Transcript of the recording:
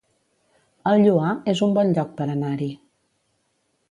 El Lloar es un bon lloc per anar-hi